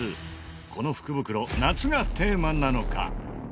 この福袋夏がテーマなのか？